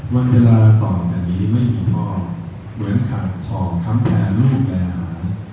วันเวลาต่อแต่นี้ไม่มีพ่อเหมือนขาดของทำแพ้ลูกและหา